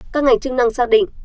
các ngành chức năng xác định